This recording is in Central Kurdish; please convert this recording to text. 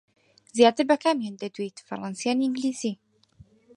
زیاتر بە کامیان دەدوێیت، فەڕەنسی یان ئینگلیزی؟